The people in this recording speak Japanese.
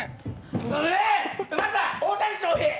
うまさ大谷翔平。